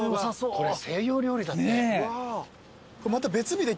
これ西洋料理だって。